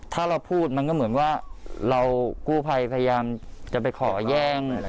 ถ้าเราพูดมันก็เหมือนว่าเรากู้ภัยพยายามจะไปขอแย่ง